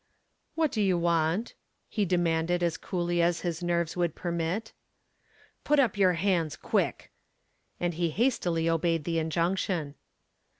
"What do you want?" he demanded as coolly as his nerves would permit. "Put up your hands quick!" and he hastily obeyed the injunction.